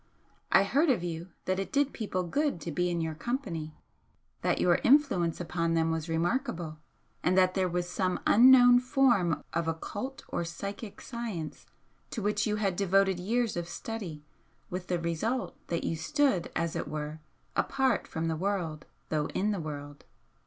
I heard of you that it did people good to be in your company, that your influence upon them was remarkable, and that there was some unknown form of occult, or psychic science to which you had devoted years of study, with the result that you stood, as it were, apart from the world though in the world.